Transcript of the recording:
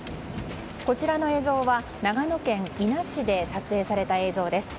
こちらの映像は、長野県伊那市で撮影された映像です。